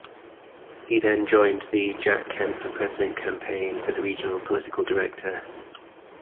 He then joined the Jack Kemp for President campaign as a regional political director.